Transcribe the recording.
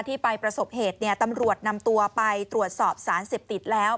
ไปประสบเหตุเนี่ยตำรวจนำตัวไปตรวจสอบสารเสพติดแล้ว